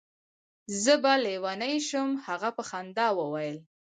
زه به لېونی شم. هغه په خندا وویل.